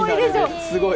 すごい。